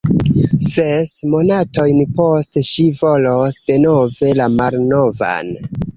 Ses monatojn poste ŝi volos denove la malnovan.